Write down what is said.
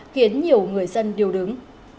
khiến nhiều người dân điều đứng